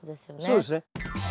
そうですね。